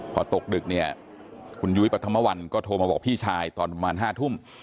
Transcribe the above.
พอตกดึกคุณยุวิปะธามวันก็โทรมาบอกพี่ชายตอนประมาณห้าทุ่ม